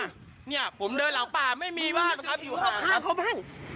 เนี่ยผมเดินหลังป่าไม่มีว่างครับ